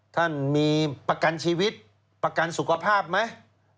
ท่านมีประกันชีวิตประกันสุขภาพไหม